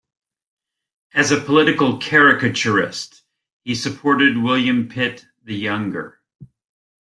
As a political caricaturist he supported William Pitt the Younger.